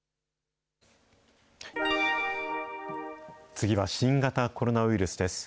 次は新型コロナウイルスです。